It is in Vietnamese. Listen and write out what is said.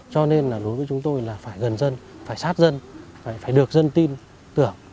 cho nên là đối với chúng tôi là phải gần dân phải sát dân phải được dân tin tưởng